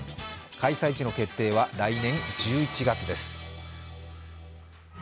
開催地の決定は来年１１月です。